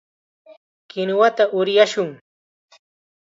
Kinuwata uryashun.